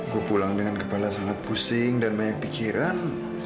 gue pulang dengan kepala sangat pusing dan banyak pikiran